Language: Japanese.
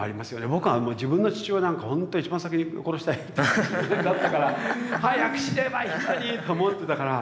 僕はもう自分の父親なんか本当に一番先に殺したい人間だったから。早く死ねばいいのに！と思ってたから。